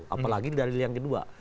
apalagi dalil yang kedua